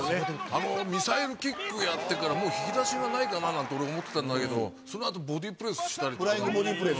あのミサイルキックやってから、もう引き出しはないかななんて、俺、思ってたんだけど、そのあとフライングボディプレス。